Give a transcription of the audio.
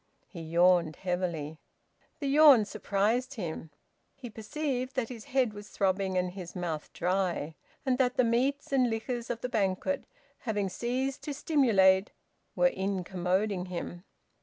He yawned heavily. The yawn surprised him. He perceived that his head was throbbing and his mouth dry, and that the meats and liquors of the banquet, having ceased to stimulate, were incommoding him.